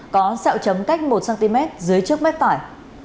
có xeo chấm cách một cm dưới trước mép phải